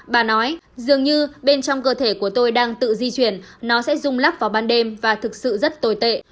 bà nói dường như bên trong cơ thể của tôi đang tự di chuyển nó sẽ rung lắc vào ban đêm và thực sự rất tồi tệ